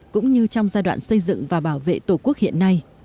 cũng như trong giai đoạn xây dựng và bảo vệ tổ quốc hiện nay